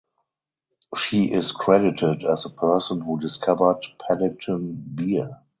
She is credited as the person who "discovered" Paddington Bear.